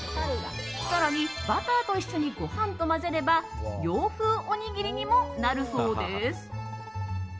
更に、バターと一緒にご飯と混ぜれば洋風おにぎりにもなるそうです。